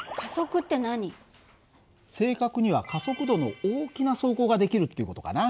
正確には加速度の大きな走行ができるっていう事かな。